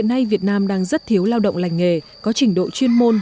hiện nay việt nam đang rất thiếu lao động lành nghề có trình độ chuyên môn